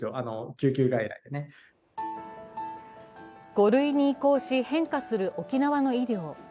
５類に移行し、変化する沖縄の医療。